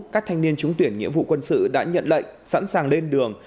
các thanh niên trúng tuyển nghĩa vụ quân sự đã nhận lệnh sẵn sàng lên đường